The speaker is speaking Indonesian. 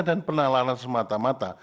dan penalaran semata mata